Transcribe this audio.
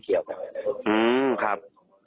อืมครับ